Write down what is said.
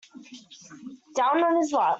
Down on his luck.